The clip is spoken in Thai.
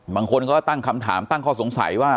บางคนก็ตั้งคำถามตั้งข้อสงสัยว่า